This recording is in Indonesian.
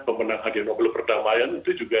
pemenang hadiah nobel perdamaian itu juga